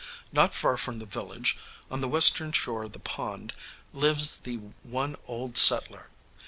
Not far from the village, on the western shore of the pond, lives the one "old settler."